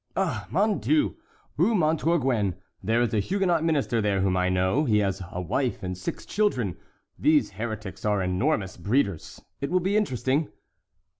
"Oh, mon Dieu! Rue Montorguen; there is a Huguenot minister there whom I know; he has a wife and six children. These heretics are enormous breeders; it will be interesting."